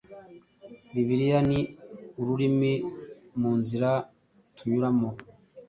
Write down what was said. Bibiliya ni urumuri mu nzira tunyuramo: